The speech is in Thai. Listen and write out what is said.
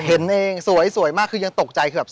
ชื่องนี้ชื่องนี้ชื่องนี้ชื่องนี้ชื่องนี้